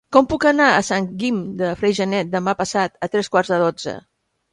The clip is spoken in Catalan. Com puc anar a Sant Guim de Freixenet demà passat a tres quarts de dotze?